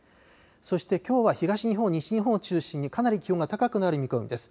そしてきょうは東日本、西日本を中心にかなり気温が高くなる見込みです。